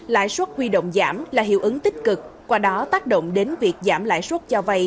lãi suất huy động giảm là hiệu ứng tích cực qua đó tác động đến việc giảm lãi suất cho vay